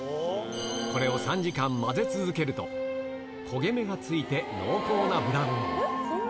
これを３時間混ぜ続けると、焦げ目がついて、濃厚なブラウンに。